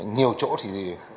nhiều chỗ thì